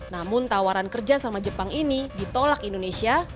namun tawaran kerja sama jepang ini ditolak indonesia